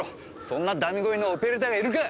そんなダミ声のオペレーターがいるか！